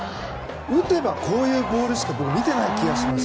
打てばこういうボールしか見てない気がします。